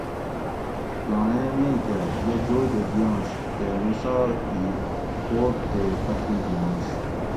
گانڑے میکہ یہ جوگہ دیٔش تے موسیٰ ہی پوک تے پتری گیاںش